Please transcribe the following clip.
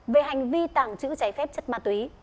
về hành vi tàng trữ trái phép chất ma túy